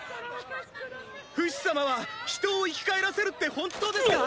フシ様は人を生き返らせるって本当ですか